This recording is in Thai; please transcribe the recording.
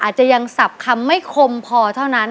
อาจจะยังสับคำไม่คมพอเท่านั้น